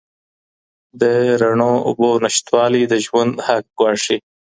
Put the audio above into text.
د رڼو اوبو نشتوالی د ژوند حق ګواښي.